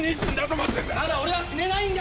まだ俺は死ねないんだ！